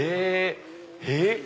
えっ！